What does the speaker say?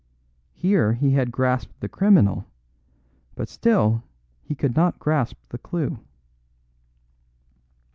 Here he had grasped the criminal, but still he could not grasp the clue.